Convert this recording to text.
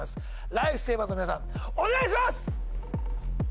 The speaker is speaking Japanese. ライフセイバーズの皆さんお願いします。